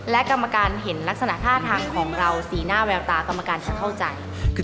และกรรมการเห็นลักษณะท่าทางของเราสีหน้าแววตากรรมการจะเข้าใจ